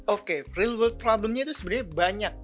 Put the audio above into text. oke real world problemnya itu sebenernya banyak